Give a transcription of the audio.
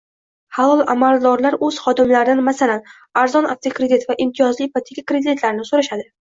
Halol amaldorlar o'z xodimlaridan, masalan, arzon avtokredit va imtiyozli ipoteka kreditlarini so'rashadi